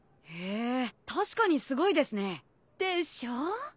へえ確かにすごいですね。でしょう？